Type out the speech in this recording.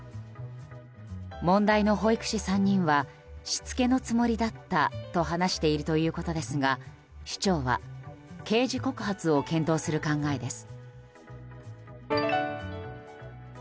問題の保育士３人はしつけのつもりだったと話しているということですが市長は刑事告発を検討する考えです。